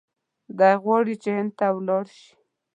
دی غواړي چې هند ته ولاړ شي.